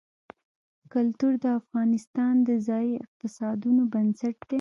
کلتور د افغانستان د ځایي اقتصادونو بنسټ دی.